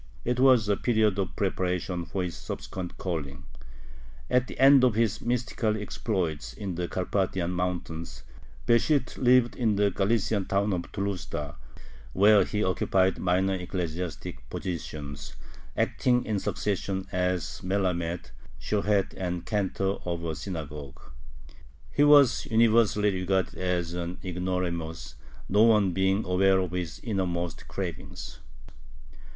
It was a period of preparation for his subsequent calling. At the end of his mystical exploits in the Carpathian mountains, Besht lived in the Galician town of Tlusta, where he occupied minor ecclesiastic positions, acting in succession as melammed, shohet, and cantor of a synagogue. He was universally regarded as an ignoramus, no one being aware of his innermost cravings.